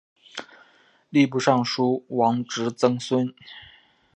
吏部尚书王直曾孙。